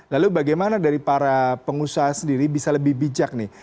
lalu bagaimana dari para pengusaha sendiri bisa lebih bijak nih